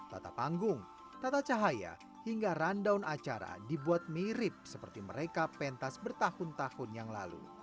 tata panggung tata cahaya hingga rundown acara dibuat mirip seperti mereka pentas bertahun tahun yang lalu